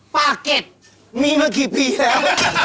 ปากเก็ตมีมากี่ปีแล้ว